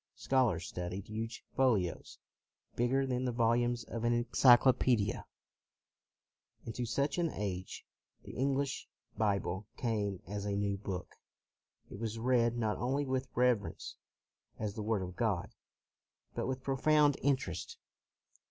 Scholars studied huge folios, bigger than the volumes of an enclyclo pedia. Into such an age, the English Bible came as a new book. It was read not only with reverence as the Word of God, but with profound interest.